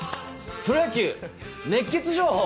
プロ野球熱ケツ情報。